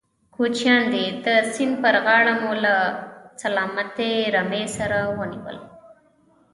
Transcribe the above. کوچيان دي، د سيند پر غاړه مو له سلامتې رمې سره ونيول.